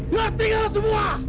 nanti kalian semua